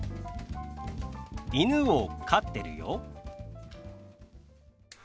「犬を飼ってるよ」。